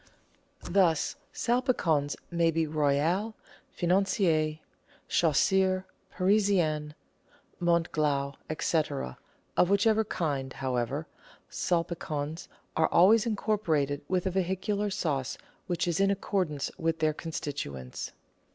Thus Salpicons may be Royal, Financier, Chasseur, Parisien, Montglas, &c. ; of whichever kind, however, Salpicons are always incorporated with a vehicular sauce which is in accord ance with their constituents.